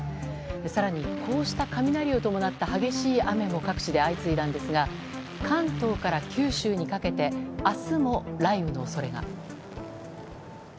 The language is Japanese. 更にこうした雷を伴った激しい雨も各地で相次いだんですが関東から九州にかけて明日も雷雨の恐れが。